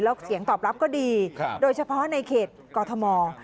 แล้วเสียงตอบรับก็ดีโดยเฉพาะในเขตกอทม